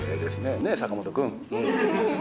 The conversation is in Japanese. ねえ、坂本君。